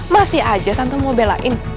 masih aja tante mau belain